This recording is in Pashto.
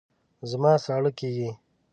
زما ساړه کېږي